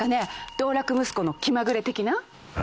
道楽息子の気まぐれ的な？